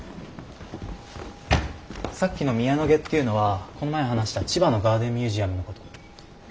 さっきの宮野花っていうのはこの前話した千葉のガーデンミュージアムのこと。